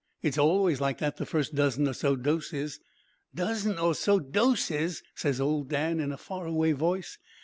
'It's always like that the first dozen or so doses.' "'Dozen or so doses!" ses old Dan, in a faraway voice.